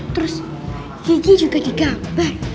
terus gigi juga digambar